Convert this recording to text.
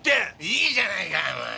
いいじゃないかお前。